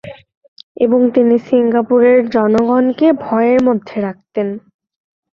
এবং তিনি সিঙ্গাপুরের জনগণকে ভয়ের মধ্যে রাখতেন।